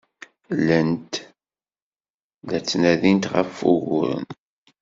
Llant la ttnadint ɣef wuguren.